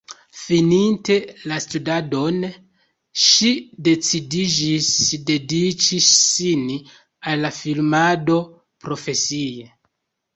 Fininte la studadon ŝi decidiĝis dediĉi sin al la filmado profesie.